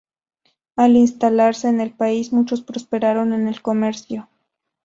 Al instalarse en el país, muchos prosperaron en el comercio.